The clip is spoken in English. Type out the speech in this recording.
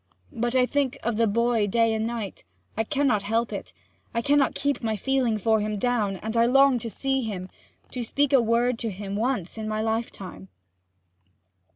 But I think of the boy day and night I cannot help it I cannot keep my feeling for him down; and I long to see him, and speak a word to him once in my lifetime!'